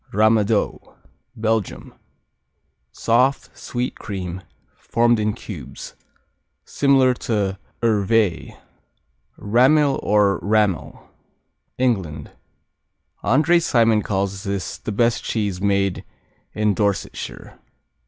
Ramadoux Belgium Soft; sweet cream; formed in cubes. Similar to Hervé Rammil or Rammel England André Simon calls this "the best cheese made in Dorsetshire."